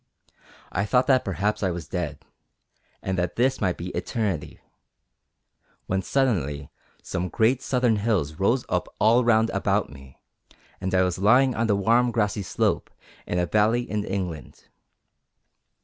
I thought that perhaps I was dead, and that this might be eternity; when suddenly some great southern hills rose up all round about me, and I was lying on the warm, grassy slope of a valley in England.